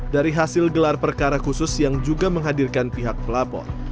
dari hasil gelar perkara khusus yang juga menghadirkan pihak pelapor